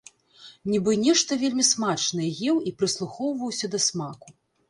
Нібы нешта вельмі смачнае еў і прыслухоўваўся да смаку.